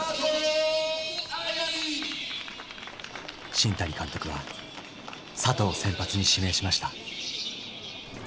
新谷監督は里を先発に指名しました。